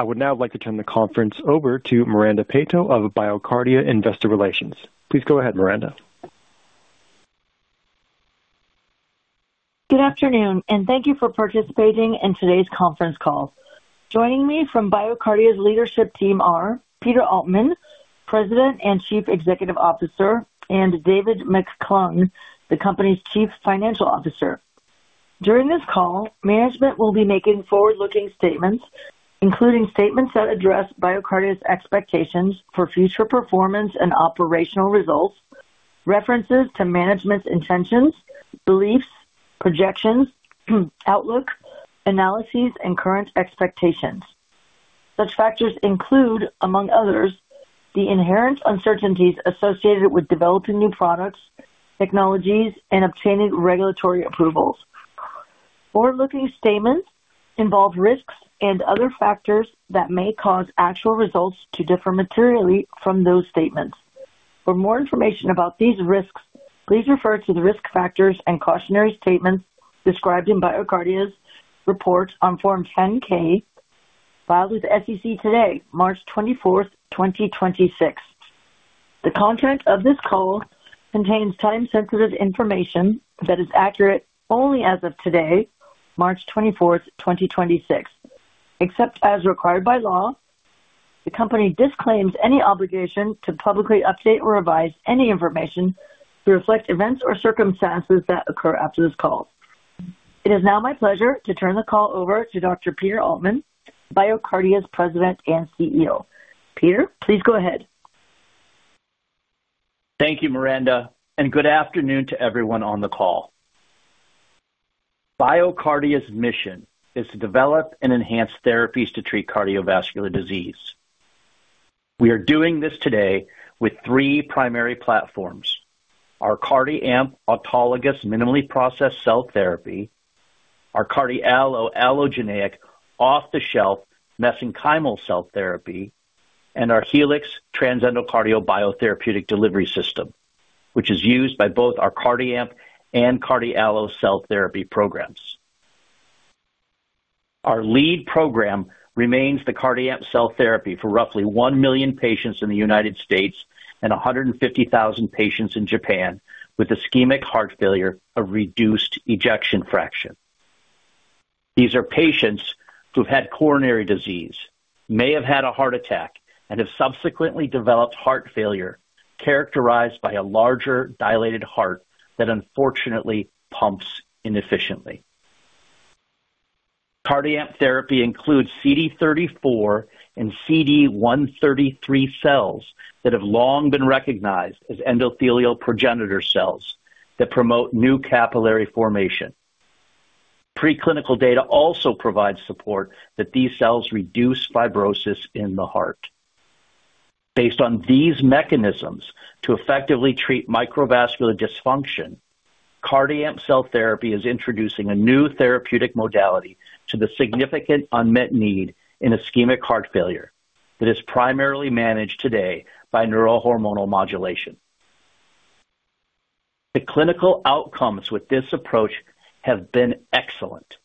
I would now like to turn the conference over to Miranda Peto of BioCardia Investor Relations. Please go ahead, Miranda. Good afternoon, and thank you for participating in today's conference call. Joining me from BioCardia's leadership team are Peter Altman, President and Chief Executive Officer, and David McClung, the company's Chief Financial Officer. During this call, management will be making forward-looking statements, including statements that address BioCardia's expectations for future performance and operational results, references to management's intentions, beliefs, projections, outlook, analyses, and current expectations. Such factors include, among others, the inherent uncertainties associated with developing new products, technologies, and obtaining regulatory approvals. Forward-looking statements involve risks and other factors that may cause actual results to differ materially from those statements. For more information about these risks, please refer to the risk factors and cautionary statements described in BioCardia's report on Form 10-K filed with the SEC today, March 24, 2026. The content of this call contains time-sensitive information that is accurate only as of today, March 24, 2026. Except as required by law, the company disclaims any obligation to publicly update or revise any information to reflect events or circumstances that occur after this call. It is now my pleasure to turn the call over to Dr. Peter Altman, BioCardia's President and CEO. Peter, please go ahead. Thank you, Miranda, and good afternoon to everyone on the call. BioCardia's mission is to develop and enhance therapies to treat cardiovascular disease. We are doing this today with three primary platforms: our CardiAMP autologous minimally processed cell therapy, our CardiALLO allogeneic off-the-shelf mesenchymal cell therapy, and our Helix transendocardial biotherapeutic delivery system, which is used by both our CardiAMP and CardiALLO cell therapy programs. Our lead program remains the CardiAMP cell therapy for roughly 1 million patients in the United States and 150,000 patients in Japan with ischemic heart failure of reduced ejection fraction. These are patients who've had coronary disease, may have had a heart attack, and have subsequently developed heart failure, characterized by a larger dilated heart that unfortunately pumps inefficiently. CardiAMP therapy includes CD34 and CD133 cells that have long been recognized as endothelial progenitor cells that promote new capillary formation. Preclinical data also provides support that these cells reduce fibrosis in the heart. Based on these mechanisms to effectively treat microvascular dysfunction, CardiAMP cell therapy is introducing a new therapeutic modality to the significant unmet need in ischemic heart failure that is primarily managed today by neurohormonal modulation. The clinical outcomes with this approach have been excellent.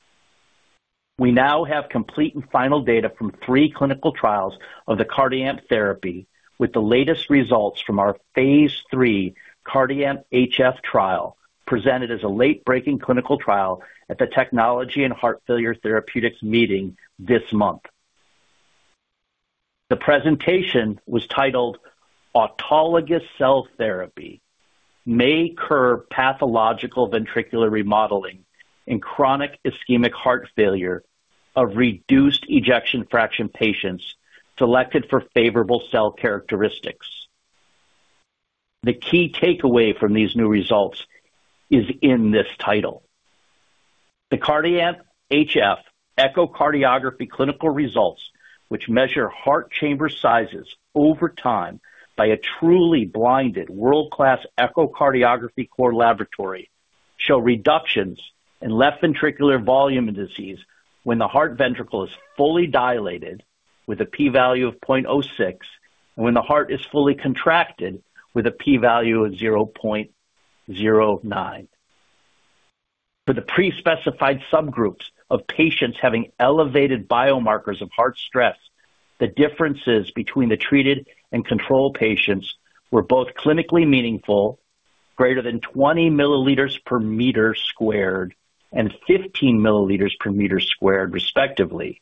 We now have complete and final data from three clinical trials of the CardiAMP therapy, with the latest results from our phase III CardiAMP HF trial presented as a late-breaking clinical trial at the Technology and Heart Failure Therapeutics meeting this month. The presentation was titled Autologous Cell Therapy May Curb Pathological Ventricular Remodeling in Chronic Ischemic Heart Failure of Reduced Ejection Fraction Patients Selected for Favorable Cell Characteristics. The key takeaway from these new results is in this title. The CardiAMP HF echocardiography clinical results, which measure heart chamber sizes over time by a truly blinded world-class echocardiography core laboratory, show reductions in left ventricular volume in disease when the heart ventricle is fully dilated with a p-value of 0.06, and when the heart is fully contracted with a p-value of 0.09. For the pre-specified subgroups of patients having elevated biomarkers of heart stress, the differences between the treated and control patients were both clinically meaningful, greater than 20 milliliters per meter squared and 15 milliliters per meter squared, respectively,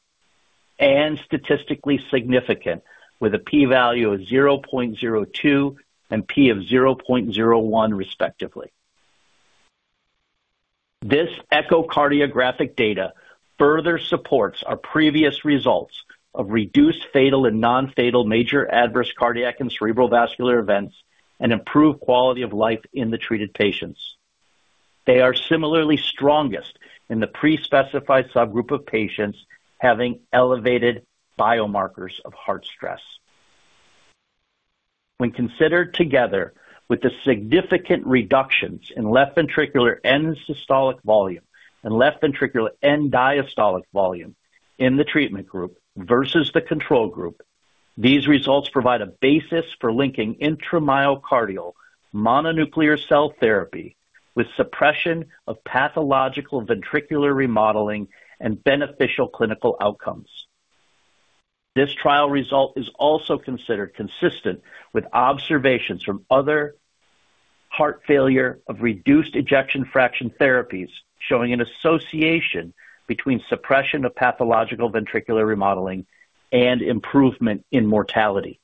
and statistically significant with a p-value of 0.02 and p of 0.01, respectively. This echocardiographic data further supports our previous results of reduced fatal and non-fatal major adverse cardiac and cerebral vascular events and improved quality of life in the treated patients. They are similarly strongest in the pre-specified subgroup of patients having elevated biomarkers of heart stress. When considered together with the significant reductions in left ventricular end-systolic volume and left ventricular end-diastolic volume in the treatment group versus the control group. These results provide a basis for linking intramyocardial mononuclear cell therapy with suppression of pathological ventricular remodeling and beneficial clinical outcomes. This trial result is also considered consistent with observations from other heart failure with reduced ejection fraction therapies, showing an association between suppression of pathological ventricular remodeling and improvement in mortality.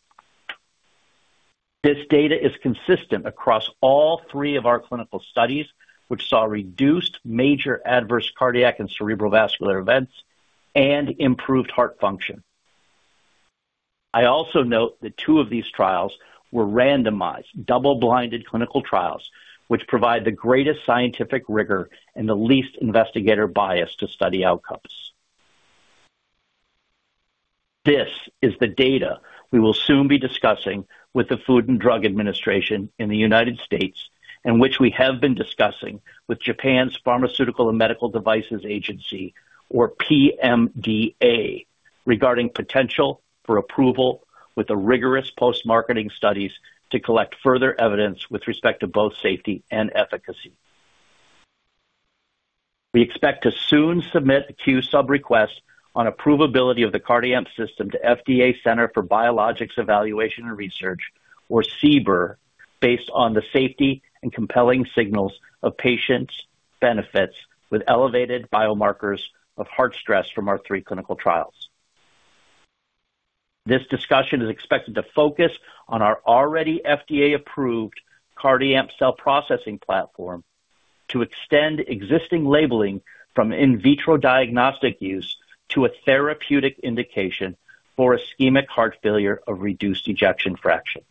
This data is consistent across all three of our clinical studies, which saw reduced major adverse cardiac and cerebral vascular events and improved heart function. I also note that two of these trials were randomized, double-blinded clinical trials, which provide the greatest scientific rigor and the least investigator bias to study outcomes. This is the data we will soon be discussing with the Food and Drug Administration in the United States, and which we have been discussing with Japan's Pharmaceuticals and Medical Devices Agency, or PMDA, regarding potential for approval with the rigorous post-marketing studies to collect further evidence with respect to both safety and efficacy. We expect to soon submit a Q-Submission request on approvability of the CardiAMP system to FDA Center for Biologics Evaluation and Research, or CBER, based on the safety and compelling signals of patient benefits with elevated biomarkers of heart stress from our three clinical trials. This discussion is expected to focus on our already FDA-approved CardiAMP cell processing platform to extend existing labeling from in vitro diagnostic use to a therapeutic indication for ischemic heart failure of reduced ejection fraction.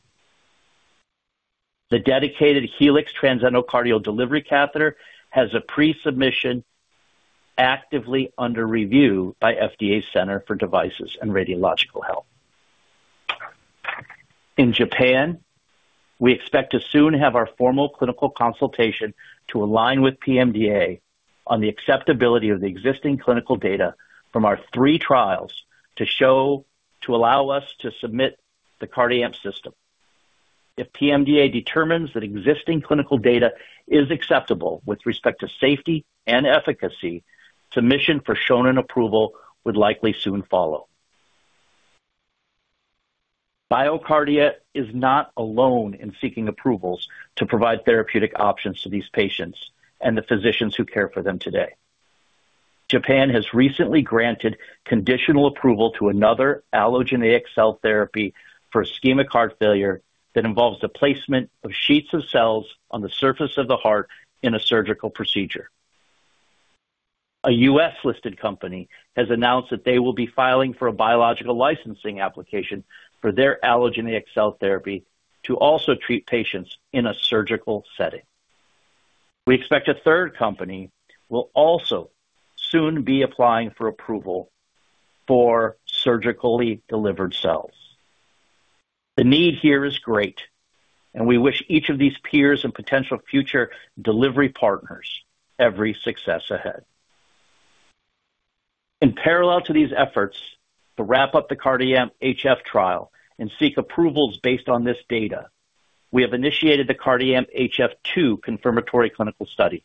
The dedicated Helix transendocardial delivery catheter has a Q-Submission actively under review by FDA Center for Devices and Radiological Health. In Japan, we expect to soon have our formal clinical consultation to align with PMDA on the acceptability of the existing clinical data from our three trials to allow us to submit the CardiAMP system. If PMDA determines that existing clinical data is acceptable with respect to safety and efficacy, submission for Shonin approval would likely soon follow. BioCardia is not alone in seeking approvals to provide therapeutic options to these patients and the physicians who care for them today. Japan has recently granted conditional approval to another allogeneic cell therapy for ischemic heart failure that involves the placement of sheets of cells on the surface of the heart in a surgical procedure. A U.S.-listed company has announced that they will be filing for a Biologics License Application for their allogeneic cell therapy to also treat patients in a surgical setting. We expect a third company will also soon be applying for approval for surgically delivered cells. The need here is great, and we wish each of these peers and potential future delivery partners every success ahead. In parallel to these efforts to wrap up the CardiAMP HF trial and seek approvals based on this data, we have initiated the CardiAMP HF II confirmatory clinical study.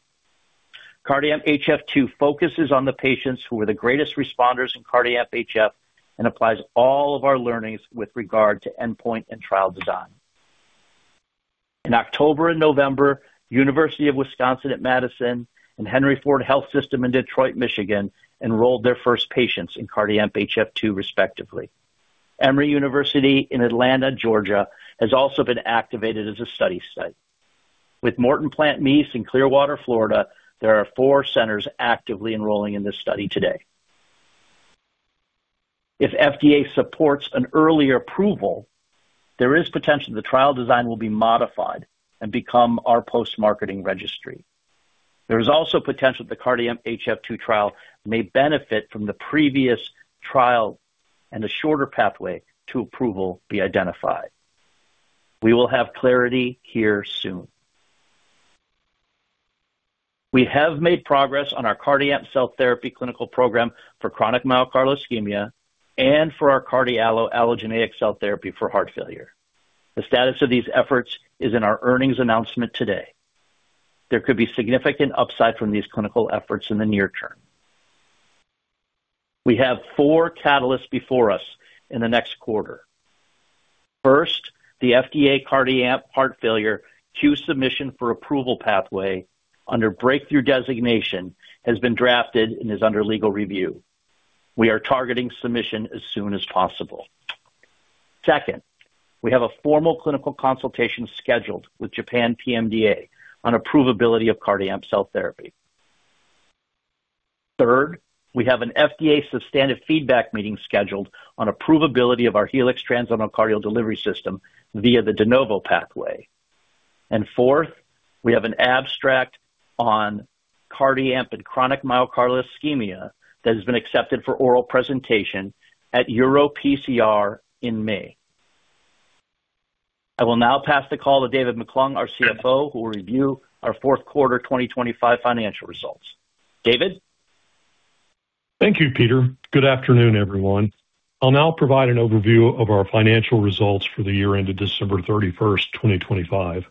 CardiAMP HF II focuses on the patients who are the greatest responders in CardiAMP HF and applies all of our learnings with regard to endpoint and trial design. In October and November, University of Wisconsin–Madison and Henry Ford Health System in Detroit, Michigan, enrolled their first patients in CardiAMP HF II, respectively. Emory University in Atlanta, Georgia, has also been activated as a study site. With Morton Plant Mease in Clearwater, Florida, there are four centers actively enrolling in this study today. If FDA supports an earlier approval, there is potential the trial design will be modified and become our post-marketing registry. There is also potential that the CardiAMP HF II trial may benefit from the previous trial and a shorter pathway to approval be identified. We will have clarity here soon. We have made progress on our CardiAMP cell therapy clinical program for chronic myocardial ischemia and for our CardiALLO allogeneic cell therapy for heart failure. The status of these efforts is in our earnings announcement today. There could be significant upside from these clinical efforts in the near term. We have four catalysts before us in the next quarter. First, the FDA CardiAMP heart failure Q-Submission for approval pathway under breakthrough designation has been drafted and is under legal review. We are targeting submission as soon as possible. Second, we have a formal clinical consultation scheduled with Japan PMDA on approvability of CardiAMP cell therapy. Third, we have an FDA substantive feedback meeting scheduled on approvability of our Helix transendocardial delivery system via the De Novo pathway. Fourth, we have an abstract on CardiAMP and chronic myocardial ischemia that has been accepted for oral presentation at EuroPCR in May. I will now pass the call to David McClung, our CFO, who will review our fourth quarter 2025 financial results. David. Thank you, Peter. Good afternoon, everyone. I'll now provide an overview of our financial results for the year ended December 31st, 2025.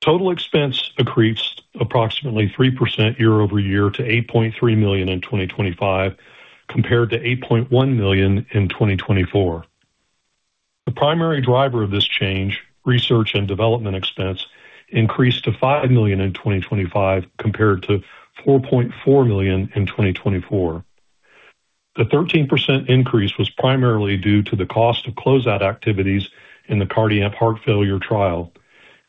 Total expenses increased approximately 3% year-over-year to $8.3 million in 2025, compared to $8.1 million in 2024. The primary driver of this change, research and development expense, increased to $5 million in 2025 compared to $4.4 million in 2024. The 13% increase was primarily due to the cost of closeout activities in the CardiAMP heart failure trial,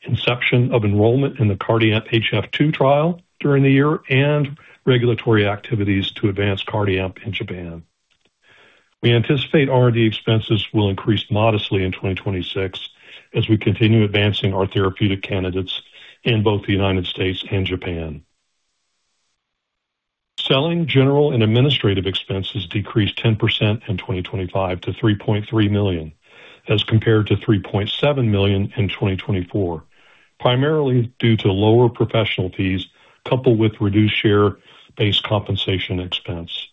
inception of enrollment in the CardiAMP HF II trial during the year, and regulatory activities to advance CardiAMP in Japan. We anticipate R&D expenses will increase modestly in 2026 as we continue advancing our therapeutic candidates in both the United States and Japan. Selling, general and administrative expenses decreased 10% in 2025 to $3.3 million, as compared to $3.7 million in 2024, primarily due to lower professional fees coupled with reduced share-based compensation expense.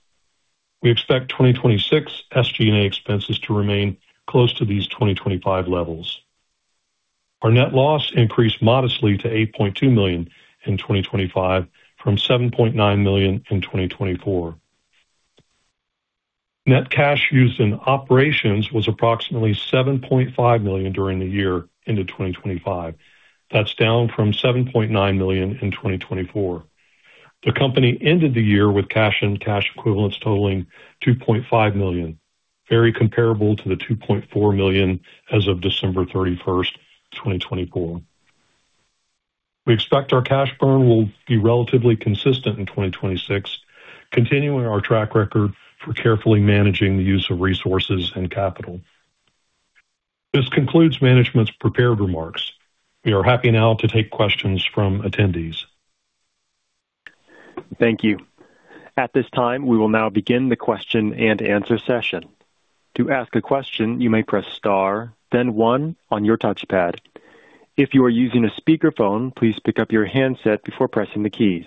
We expect 2026 SG&A expenses to remain close to these 2025 levels. Our net loss increased modestly to $8.2 million in 2025 from $7.9 million in 2024. Net cash used in operations was approximately $7.5 million during the year in 2025. That's down from $7.9 million in 2024. The company ended the year with cash and cash equivalents totaling $2.5 million, very comparable to the $2.4 million as of December 31, 2024. We expect our cash burn will be relatively consistent in 2026, continuing our track record for carefully managing the use of resources and capital. This concludes management's prepared remarks. We are happy now to take questions from attendees. Thank you. At this time, we will now begin the question-and-answer session. To ask a question, you may press star, then one on your touch-tone pad. If you are using a speakerphone, please pick up your handset before pressing the keys.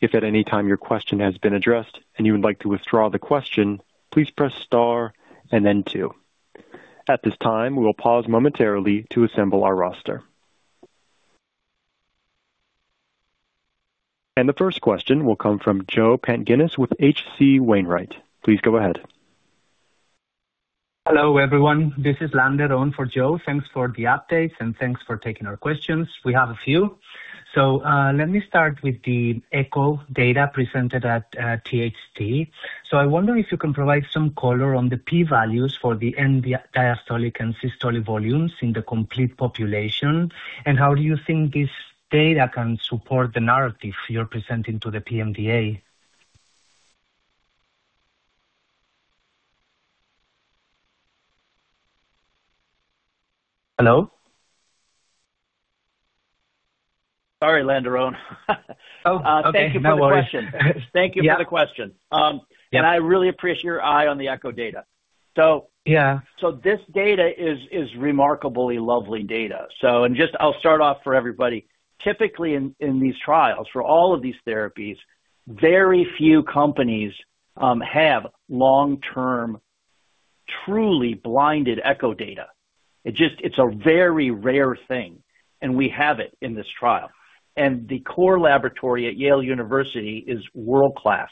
If at any time your question has been addressed and you would like to withdraw the question, please press star and then two. At this time, we will pause momentarily to assemble our roster. The first question will come from Joe Pantginis with H.C. Wainwright. Please go ahead. Hello, everyone. This is Landeron for Joe. Thanks for the updates and thanks for taking our questions. We have a few. Let me start with the echo data presented at THT. I wonder if you can provide some color on the p-values for the end diastolic and systolic volumes in the complete population. How do you think this data can support the narrative you're presenting to the PMDA? Hello? Sorry, Landeron. Okay. No worries. Thank you for the question. Yes. I really appreciate your eye on the echo data. Yes. This data is remarkably lovely data. I'll start off for everybody. Typically in these trials, for all of these therapies, very few companies have long-term, truly blinded echo data. It's a very rare thing, and we have it in this trial. The core laboratory at Yale University is world-class.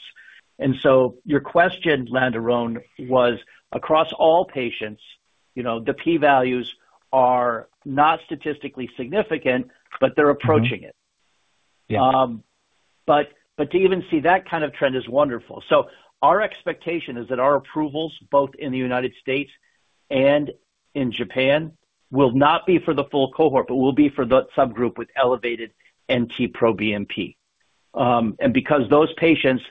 Your question, Landeron, was across all patients, the P values are not statistically significant, but they're approaching it. To even see that kind of trend is wonderful. Our expectation is that our approvals, both in the United States and in Japan, will not be for the full cohort, but will be for the subgroup with elevated NT-proBNP. Because those patients,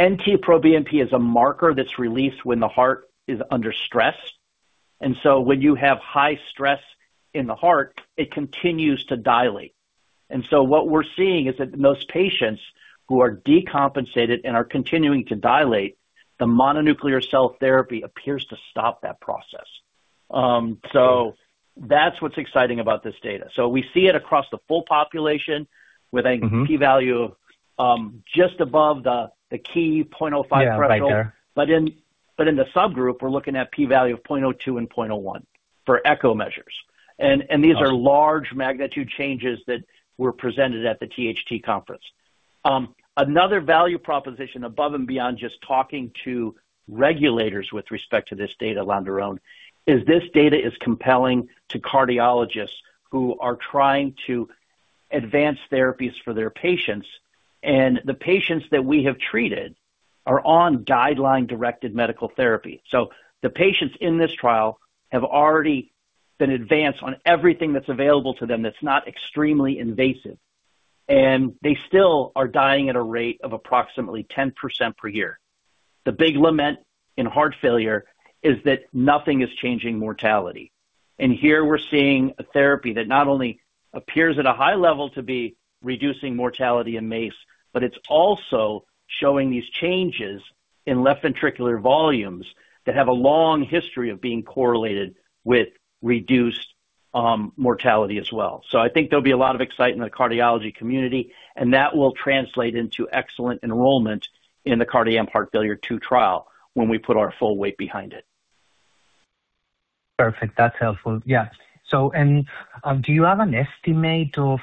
NT-proBNP is a marker that's released when the heart is under stress. When you have high stress in the heart, it continues to dilate. What we're seeing is that those patients who are decompensated and are continuing to dilate, the mononuclear cell therapy appears to stop that process. That's what's exciting about this data. We see it across the full population with a p-value just above the key point 0.05 threshold. Right there. In the subgroup, we're looking at p-value of 0.02 and 0.01 for echo measures. These are large magnitude changes that were presented at the THT conference. Another value proposition above and beyond just talking to regulators with respect to this data, Landeron, is this data compelling to cardiologists who are trying to advance therapies for their patients, and the patients that we have treated are on guideline-directed medical therapy. The patients in this trial have already been advanced on everything that's available to them that's not extremely invasive, and they still are dying at a rate of approximately 10% per year. The big lament in heart failure is that nothing is changing mortality. Here we're seeing a therapy that not only appears at a high level to be reducing mortality in MACE, but it's also showing these changes in left ventricular volumes that have a long history of being correlated with reduced mortality as well. I think there'll be a lot of excitement in the cardiology community, and that will translate into excellent enrollment in the CardiAMP HF II trial when we put our full weight behind it. Perfect. That's helpful. Do you have an estimate of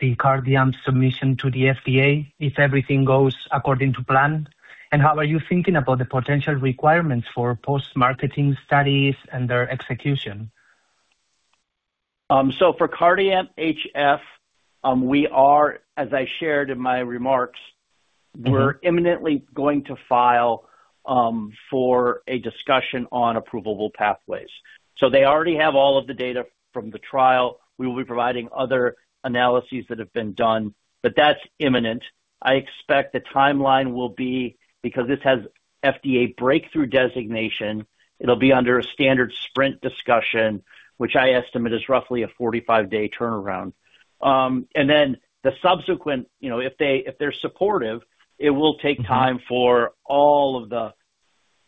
the CardiAMP submission to the FDA if everything goes according to plan? How are you thinking about the potential requirements for post-marketing studies and their execution? For CardiAMP HF, we are, as I shared in my remarks, we're imminently going to file for a discussion on approvable pathways. They already have all of the data from the trial. We will be providing other analyses that have been done, but that's imminent. I expect the timeline will be, because this has FDA breakthrough designation, it'll be under a standard sprint discussion, which I estimate is roughly a 45-day turnaround. And then the subsequent, you know, if they're supportive, it will take time for all of the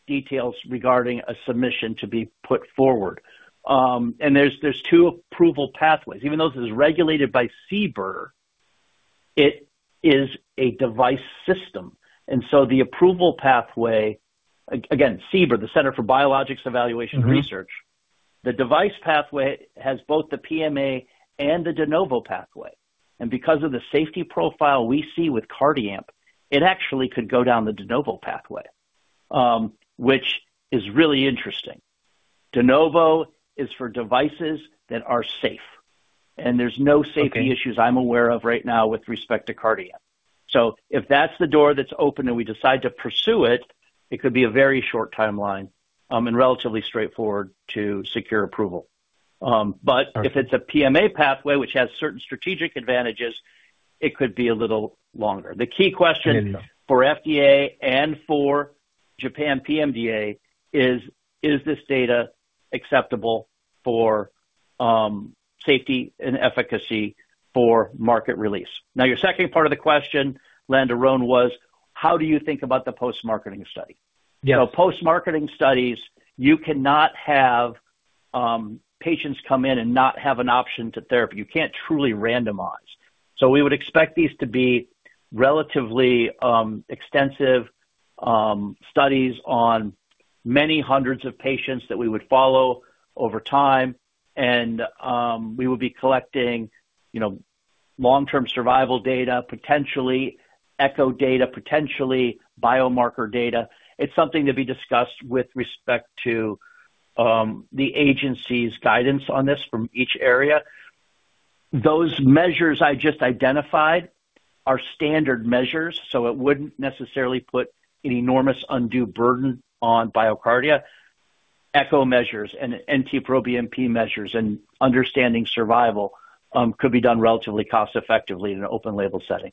details regarding a submission to be put forward. There's two approval pathways. Even though this is regulated by CBER, it is a device system. The approval pathway, again, CBER, the Center for Biologics Evaluation and Research. The device pathway has both the PMA and the De Novo pathway. Because of the safety profile we see with CardiAMP, it actually could go down the De Novo pathway, which is really interesting. De Novo is for devices that are safe, and there's no safety-Okay.No issues I'm aware of right now with respect to CardiAMP. If that's the door that's open and we decide to pursue it could be a very short timeline, and relatively straightforward to secure approval. Perfect. If it's a PMA pathway, which has certain strategic advantages, it could be a little longer. The key question. Interesting. For FDA and for Japan PMDA, is this data acceptable for safety and efficacy for market release? Now, your second part of the question, Landeron, was how do you think about the post-marketing study? Yes. You know, post-marketing studies, you cannot have patients come in and not have an option to therapy. You can't truly randomize. We would expect these to be relatively extensive studies on many hundreds of patients that we would follow over time and we will be collecting, you know, long-term survival data, potentially echo data, potentially biomarker data. It's something to be discussed with respect to the agency's guidance on this from each area. Those measures I just identified are standard measures, so it wouldn't necessarily put an enormous undue burden on BioCardia. Echo measures and NT-proBNP measures and understanding survival could be done relatively cost effectively in an open label setting.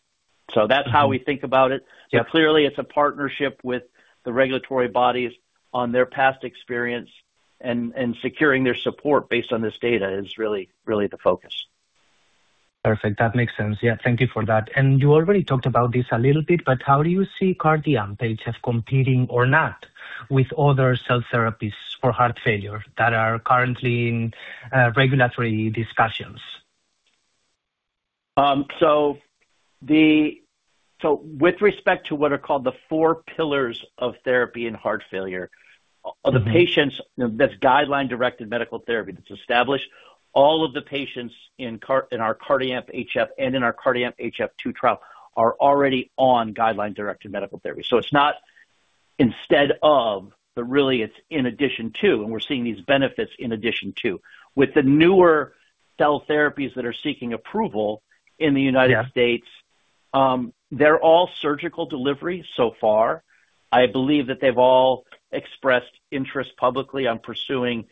That's how we think about it. Yes. Clearly it's a partnership with the regulatory bodies on their past experience and securing their support based on this data is really, really the focus. Perfect. That makes sense. Thank you for that. You already talked about this a little bit, but how do you see CardiAMP HF competing or not with other cell therapies for heart failure that are currently in regulatory discussions? With respect to what are called the four pillars of therapy in heart failure of the patients, that's guideline-directed medical therapy that's established, all of the patients in our CardiAMP HF and in our CardiAMP HF II trial are already on guideline-directed medical therapy. It's not instead of, but really it's in addition to, and we're seeing these benefits in addition to. With the newer cell therapies that are seeking approval in the United States. They're all surgical delivery so far. I believe that they've all expressed interest publicly on pursuing,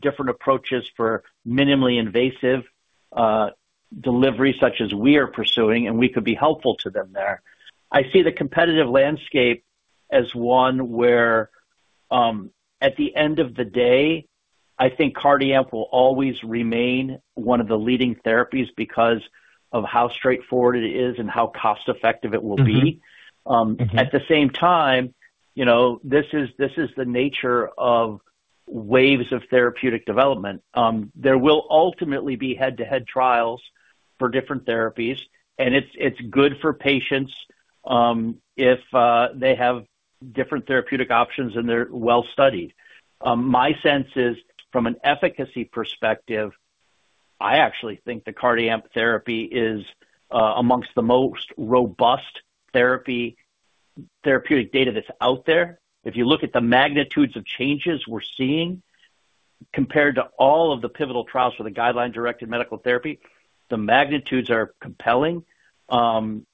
different approaches for minimally invasive, delivery such as we are pursuing, and we could be helpful to them there. I see the competitive landscape as one where, at the end of the day, I think CardiAMP will always remain one of the leading therapies because of how straightforward it is and how cost-effective it will be. At the same time, you know, this is the nature of waves of therapeutic development. There will ultimately be head-to-head trials for different therapies, and it's good for patients if they have different therapeutic options and they're well-studied. My sense is, from an efficacy perspective, I actually think the CardiAMP therapy is amongst the most robust therapeutic data that's out there. If you look at the magnitudes of changes we're seeing compared to all of the pivotal trials for the guideline-directed medical therapy, the magnitudes are compelling. You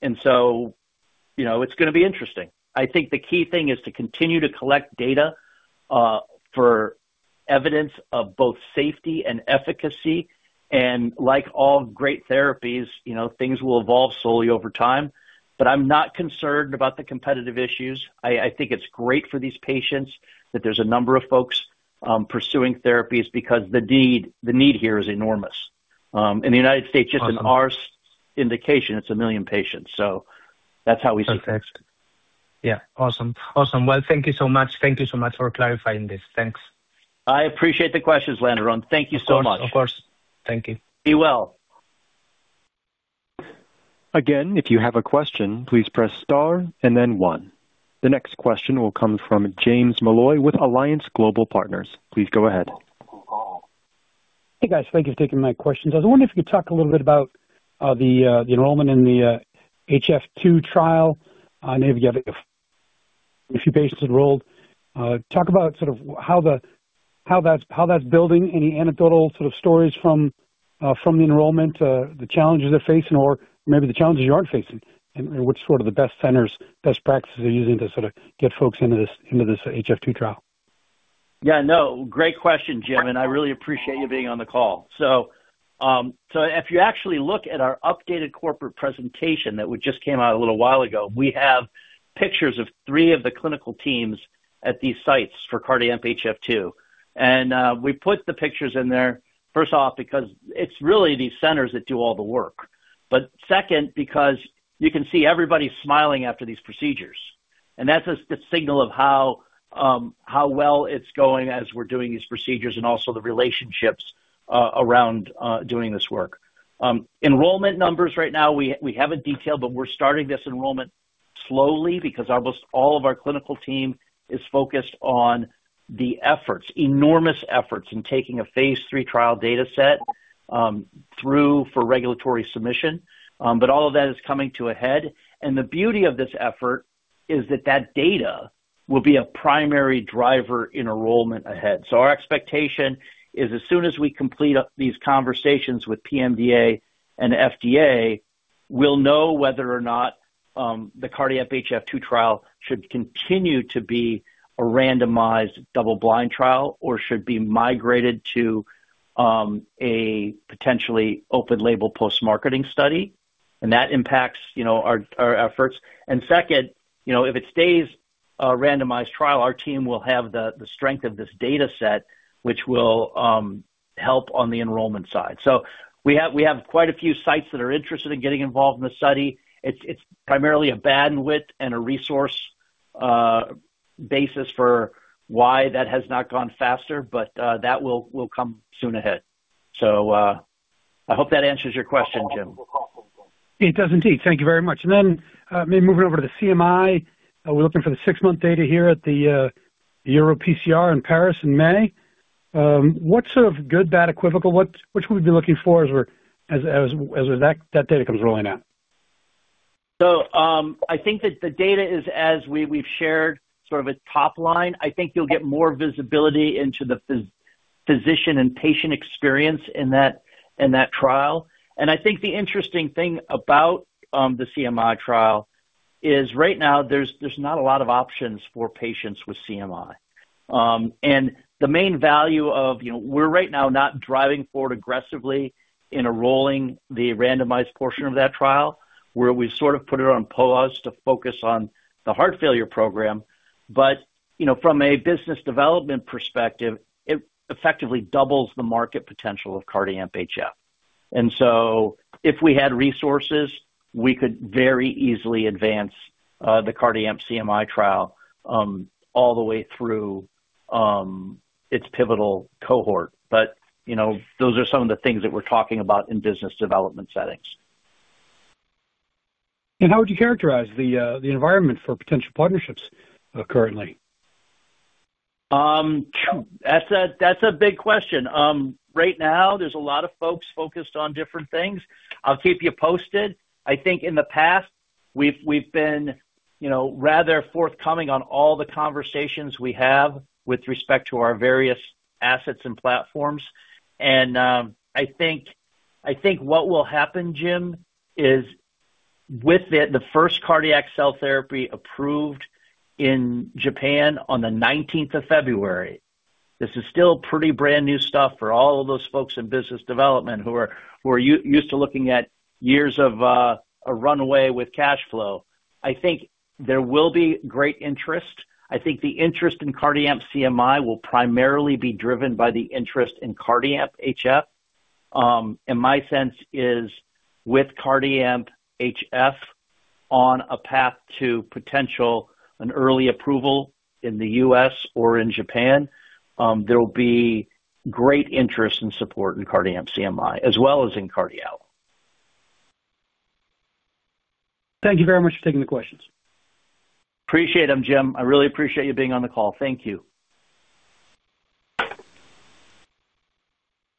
know, it's gonna be interesting. I think the key thing is to continue to collect data for evidence of both safety and efficacy. Like all great therapies, you know, things will evolve slowly over time. I'm not concerned about the competitive issues. I think it's great for these patients that there's a number of folks pursuing therapies because the need here is enormous. In the United States just in our indication, it's 1 million patients. That's how we see it. Perfect. Yeah. Awesome. Awesome. Well, thank you so much. Thank you so much for clarifying this. Thanks. I appreciate the questions, Landeron. Thank you so much. Of course. Thank you. Be well. Again, if you have a question, please press star and then one. The next question will come from James Molloy with Alliance Global Partners. Please go ahead. Thank you for taking my questions. I was wondering if you could talk a little bit about the enrollment in the HF II trial. I know you've got a few patients enrolled. Talk about sort of how that's building, any anecdotal sort of stories from the enrollment, the challenges you're facing or maybe the challenges you aren't facing and which sort of the best centers, best practices are using to sort of get folks into this HF II trial. Great question, Jim, and I really appreciate you being on the call. So, so if you actually look at our updated corporate presentation that we just came out a little while ago, we have pictures of three of the clinical teams at these sites for CardiAMP HF II. We put the pictures in there, first off, because it's really these centers that do all the work. Second, because you can see everybody smiling after these procedures. That's the signal of how well it's going as we're doing these procedures and also the relationships around doing this work. Enrollment numbers right now, we haven't detailed, but we're starting this enrollment slowly because almost all of our clinical team is focused on the efforts, enormous efforts in taking a phase III trial data set through for regulatory submission. All of that is coming to a head. The beauty of this effort is that that data will be a primary driver in enrollment ahead. Our expectation is as soon as we complete these conversations with PMDA and FDA, we'll know whether or not the CardiAMP HF II trial should continue to be a randomized double-blind trial or should be migrated to a potentially open-label post-marketing study. That impacts, you know, our efforts. Second, you know, if it stays a randomized trial, our team will have the strength of this data set, which will help on the enrollment side. We have quite a few sites that are interested in getting involved in the study. It's primarily a bandwidth and a resource basis for why that has not gone faster, but that will come soon ahead. I hope that answers your question, Jim. It does indeed. Thank you very much. Maybe moving over to the CMI. We're looking for the six-month data here at the EuroPCR in Paris in May. What sort of good, bad, equivocal should we be looking for as that data comes rolling out? I think that the data is as we've shared sort of a top line. I think you'll get more visibility into the physician and patient experience in that trial. I think the interesting thing about the CMI trial is right now there's not a lot of options for patients with CMI. The main value of, you know, we're right now not driving forward aggressively in enrolling the randomized portion of that trial where we sort of put it on pause to focus on the heart failure program. You know, from a business development perspective, it effectively doubles the market potential of CardiAMP HF. If we had resources, we could very easily advance the CardiAMP CMI trial all the way through its pivotal cohort. You know, those are some of the things that we're talking about in business development settings. How would you characterize the environment for potential partnerships, currently? That's a big question. Right now, there's a lot of folks focused on different things. I'll keep you posted. I think in the past we've been, you know, rather forthcoming on all the conversations we have with respect to our various assets and platforms. I think what will happen, Jim, is with the first cardiac cell therapy approved in Japan on the nineteenth of February, this is still pretty brand-new stuff for all of those folks in business development who are used to looking at years of a runway with cash flow. I think there will be great interest. I think the interest in CardiAMP CMI will primarily be driven by the interest in CardiAMP HF. My sense is with CardiAMP HF on a path to a potential early approval in the U.S. or in Japan, there will be great interest and support in CardiAMP CMI as well as in CardiALLO. Thank you very much for taking the questions. Appreciate them, Jim. I really appreciate you being on the call. Thank you.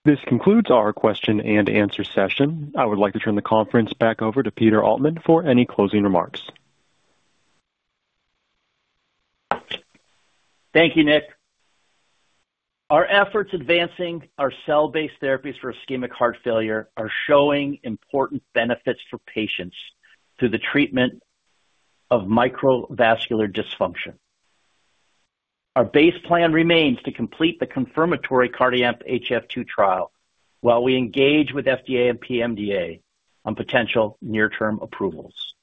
This concludes our question and answer session. I would like to turn the conference back over to Peter Altman for any closing remarks. Thank you, Nick. Our efforts advancing our cell-based therapies for ischemic heart failure are showing important benefits for patients through the treatment of microvascular dysfunction. Our base plan remains to complete the confirmatory CardiAMP HF II trial while we engage with FDA and PMDA on potential near-term approvals.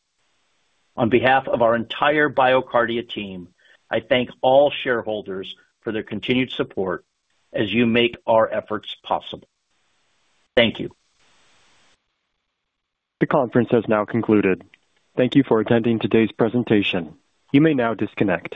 On behalf of our entire BioCardia team, I thank all shareholders for their continued support as you make our efforts possible. Thank you. The conference has now concluded. Thank you for attending today's presentation. You may now disconnect.